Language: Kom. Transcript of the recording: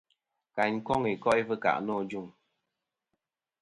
Kayn koŋ i ko'i fɨkà nô ajuŋ.